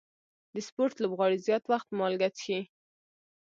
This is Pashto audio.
د سپورټ لوبغاړي زیات وخت مالګه څښي.